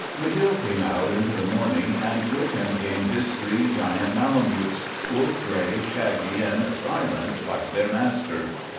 McGill came out into the morning and with him came his three giant malamutes, wolf gray, shaggy, and silent like their master.